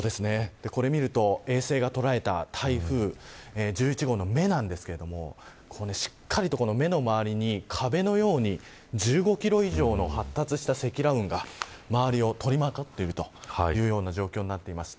これを見ると衛星が捉えた台風１１号の目なんですけれどもしっかりと、この目の周りに壁のように１５キロ以上の発達した積乱雲が周りを、とりまとっているという状況になっています。